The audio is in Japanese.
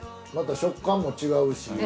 また食感も違うし。